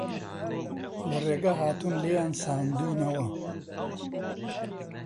لە ڕێگە هاتوون لێیان ستاندووینەوە